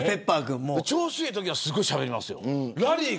調子がいいときはめっちゃしゃべりますよ。